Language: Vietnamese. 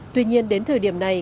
tuy nhiên đến thời điểm này